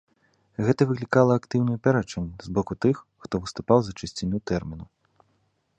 Гэта выклікала актыўныя пярэчанні з боку тых, хто выступаў за чысціню тэрміну.